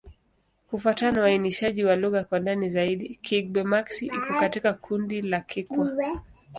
Kufuatana na uainishaji wa lugha kwa ndani zaidi, Kigbe-Maxi iko katika kundi la Kikwa.